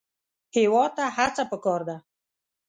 هېواد ته هڅه پکار ده